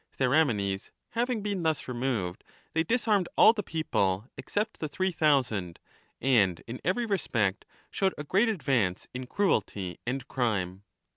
1 Theramenes having been thus removed, they disarmed all the people except the Three Thousand, and in every respect showed a great advance in cruelty and crime.